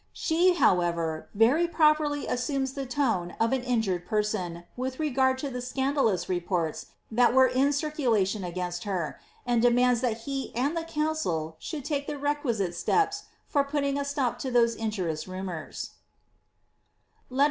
She, however, very properly assumes the tone of an injured person with regani to the Kand^ous reports that were in circulation against her, and demands that he and the council should take the requisite steps for putting a stop to those injurious rumours :^ Li.